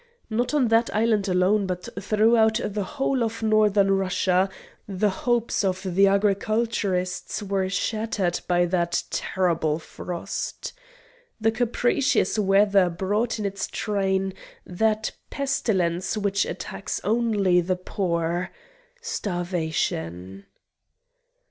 Not on that island alone but throughout the whole of northern Russia, the hopes of the agriculturists were shattered by that terrible frost. The capricious weather brought in its train that pestilence which attacks only the poor Starvation.